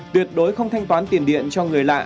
tuyệt đối không thanh toán tiền điện cho người lạ